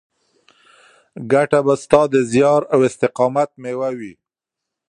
ګټه به ستا د زیار او استقامت مېوه وي.